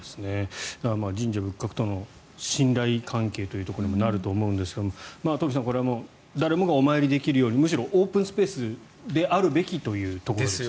神社仏閣との信頼関係ということにもなると思うんですけども東輝さん、これは誰もがお参りできるようにむしろオープンスペースであるべきというところですから。